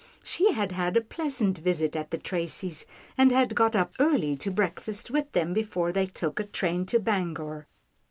She had had a pleasant visit at the Tracys, and had got up early to breakfast with them before they took a train to Bangor.